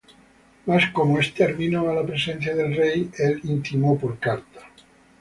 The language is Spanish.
Mas como Esther vino á la presencia del rey, él intimó por carta: